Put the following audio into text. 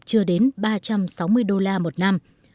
chưa đến ba trăm sáu mươi usd một năm